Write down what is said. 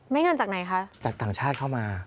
เงินจากไหนคะจากต่างชาติเข้ามา